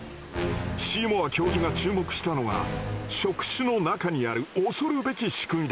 シーモア教授が注目したのが触手の中にある恐るべき仕組みだ。